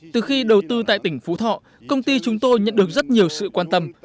từ khi đầu tư tại tỉnh phú thọ công ty chúng tôi nhận được rất nhiều sự quan tâm